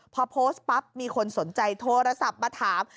พอโพสต์ปั๊บมีคนสนใจโทรศัพท์มาถาม